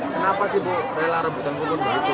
kenapa sih bu rela rebutan kubur begitu